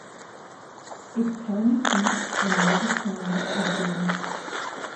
Its county seat and largest town is Boone.